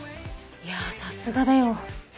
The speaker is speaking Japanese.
いやさすがだよ。